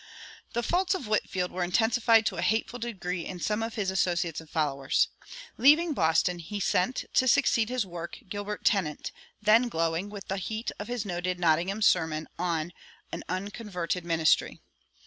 The faults of Whitefield were intensified to a hateful degree in some of his associates and followers. Leaving Boston, he sent, to succeed to his work, Gilbert Tennent, then glowing with the heat of his noted Nottingham sermon on "An Unconverted Ministry."